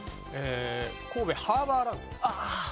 神戸ハーバーランド。